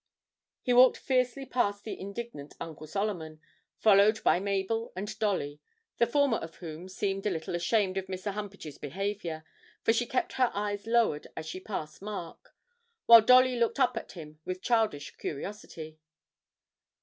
He walked fiercely past the indignant Uncle Solomon, followed by Mabel and Dolly, the former of whom seemed a little ashamed of Mr. Humpage's behaviour, for she kept her eyes lowered as she passed Mark, while Dolly looked up at him with childish curiosity.